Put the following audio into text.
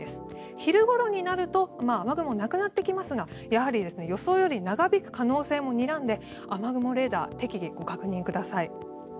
昼ごろになると雨雲はなくなってきますがやはり予想より長引く可能性もにらんで雨雲レーダー適宜、ご確認ください。